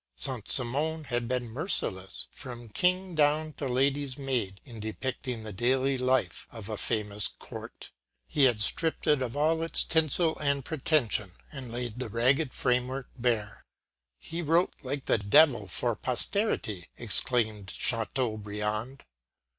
Saint Simon had been merciless, from King down to lady’s maid, in depicting the daily life of a famous Court. He had stripped it of all its tinsel and pretension, and laid the ragged framework bare. “He wrote like the Devil for posterity!” exclaimed Chateaubriand.